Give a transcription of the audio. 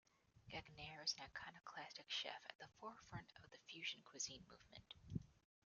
Gagnaire is an iconoclastic chef at the forefront of the fusion cuisine movement.